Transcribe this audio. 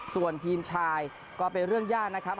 ส่วนทีมชายก็เป็นเรื่องยากนะครับ